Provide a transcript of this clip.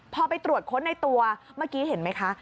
พอไปตรวจค้นในตัวเมื่อกี้เห็นไหมคะ